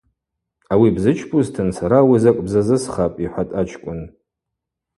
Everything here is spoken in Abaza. Ауи бзычпузтын сара ауи закӏ бзазысхапӏ, – йхӏватӏ ачкӏвын.